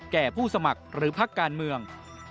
ผู้สมัครหรือพักการเมือง